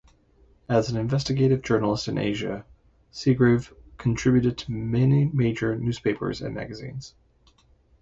As an investigative journalist in Asia, Seagrave contributed to many major newspapers and magazines.